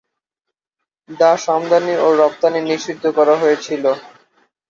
দাস আমদানি ও রপ্তানি নিষিদ্ধ করা হয়েছিল।